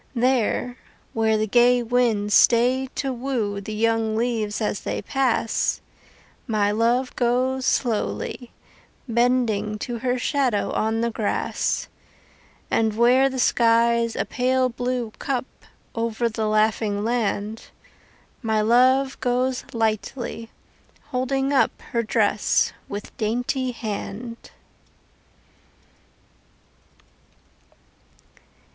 There, where the gay winds stay to woo The young leaves as they pass, My love goes slowly, bending to Her shadow on the grass; And where the sky's a pale blue cup Over the laughing land, My love goes lightly, holding up Her dress with dainty hand.